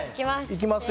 いきます。